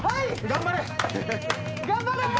頑張れ！